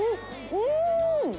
うん。